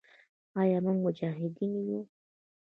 آیا موږ مجاهدین یو؟